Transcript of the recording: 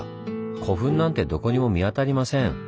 古墳なんてどこにも見当たりません。